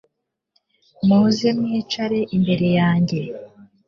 muze mwicare imbere yanjye